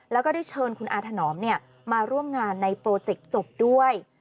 แล้วก็ได้เชิญคุณอาถนอมมาร่วมงานในโปรเจกต์จบด้วย